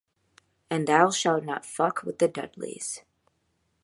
And Thou shall not fuck with the Dudleys!